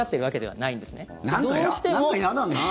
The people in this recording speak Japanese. なんか嫌だな。